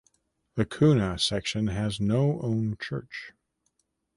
The Coonagh section has no own church.